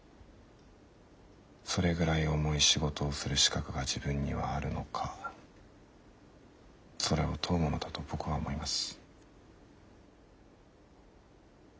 それぐらい重い仕事をする資格が自分にはあるのかそれを問うものだと僕は思います。